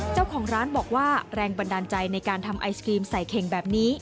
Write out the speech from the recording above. เจ้าของร้านบอกว่าแรงบันดาลใจในการทำไอศกรีมใส่เข่งแบบนี้